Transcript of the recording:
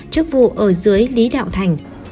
trước vụ ở dưới lý đạo thành